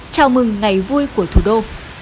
chào mừng ngày vui của thủ đô